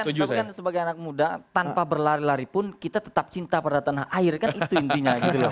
justru kan sebagai anak muda tanpa berlari lari pun kita tetap cinta pada tanah air kan itu intinya gitu loh